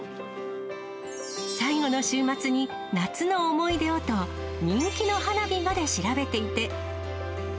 最後の週末に、夏の思い出をと、人気の花火まで調べていて。